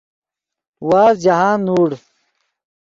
وازد جاہند نوڑ